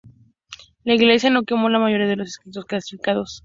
La Iglesia no quemó la mayoría de los escritos clásicos.